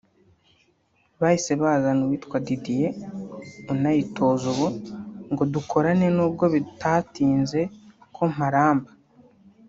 Bahise bazana uwitwa Didier (Unayitoza ubu) ngo dukorane nubwo bitatinze ko mparamba